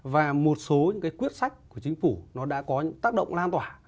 và một số những cái quyết sách của chính phủ nó đã có những tác động lan tỏa